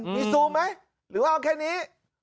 มีซูมไหมหรือว่าเอาแค่นี้